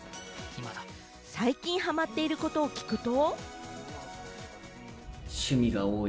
最近ハマっていることを聞くと。